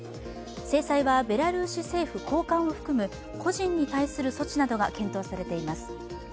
制裁は、ベラルーシ政府高官を含む個人に対する措置などが検討されています。